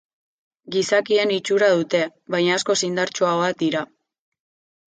Gizakien itxura dute, baina askoz indartsuagoak dira.